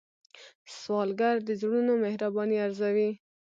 سوالګر د زړونو مهرباني ارزوي